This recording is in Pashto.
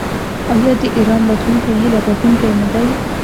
آیا د ایران راتلونکی هیله بښونکی نه دی؟